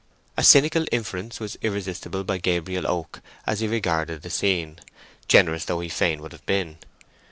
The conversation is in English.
A cynical inference was irresistible by Gabriel Oak as he regarded the scene, generous though he fain would have been.